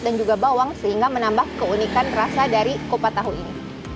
dan juga bawang sehingga menambah keunikan rasa dari kupat tahu ini